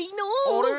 あれ？